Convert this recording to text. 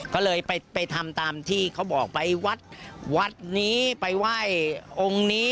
ก็เลยไปทำตามที่เขาบอกไปวัดวัดนี้ไปไหว้องค์นี้